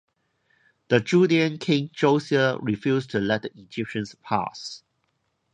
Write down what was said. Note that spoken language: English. The Judaean king Josiah refused to let the Egyptians pass.